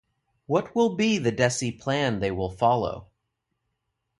What will be the desi plan they will follow?